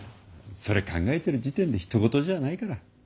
それ考えてる時点でひと事じゃないから。